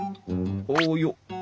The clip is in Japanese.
およっ。